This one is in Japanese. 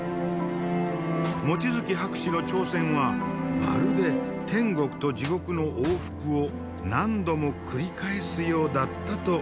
望月博士の挑戦はまるで天国と地獄の往復を何度も繰り返すようだったといいます。